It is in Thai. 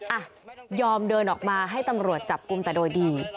อ่ะยอมเดินออกมาให้ตำรวจจับกลุ่มแต่โดยดี